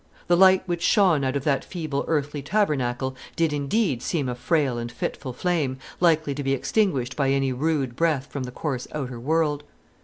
The light which shone out of that feeble earthly tabernacle did indeed seem a frail and fitful flame, likely to be extinguished by any rude breath from the coarse outer world.